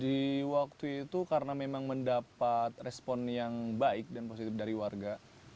di waktu itu karena memang mendapat respon yang baik dan positif dari warga